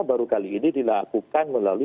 baru kali ini dilakukan melalui